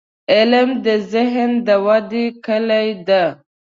• علم، د ذهن د ودې کلي ده.